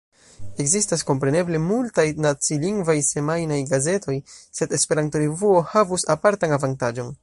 Ekzistas kompreneble multaj nacilingvaj semajnaj gazetoj, sed Esperanto-revuo havus apartan avantaĝon.